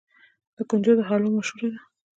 د کنجدو حلوه مشهوره ده.